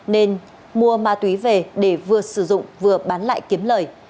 nên mua ma túy về để vừa sử dụng vừa bán lại kiếm lời